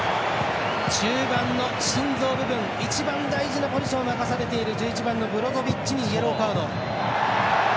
中盤の心臓部分一番大事なポジションを任されている１１番のブロゾビッチにイエローカード。